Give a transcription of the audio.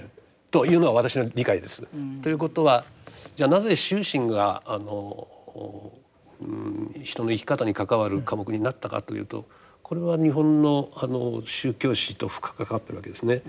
というのが今私の理解です。ということはじゃあなぜ修身が人の生き方に関わる科目になったかというとこれは日本の宗教史と深く関わってるわけですね。